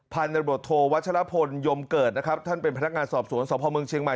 พันธุรกิจโทวัชลพลยมเกิดท่านเป็นพนักงานสอบศูนย์สมพเมืองเชียงใหม่